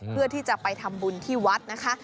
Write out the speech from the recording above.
เพื่อที่จะไปทำบุญที่วัดนะคะ